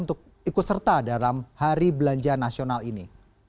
untuk ikut serta dalam hari belanja nasional ini